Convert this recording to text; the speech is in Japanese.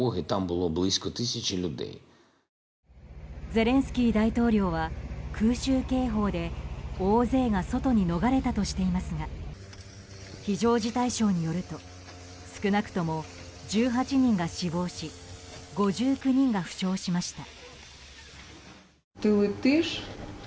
ゼレンスキー大統領は空襲警報で大勢が外に逃れたとしていますが非常事態省によると少なくとも１８人が死亡し５９人が負傷しました。